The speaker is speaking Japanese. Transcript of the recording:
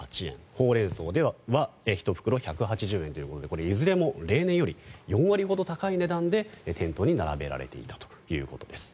ホウレンソウは１袋１８０円ということでこれ、いずれも例年より４割ほど高い値段で店頭に並べられていたということです。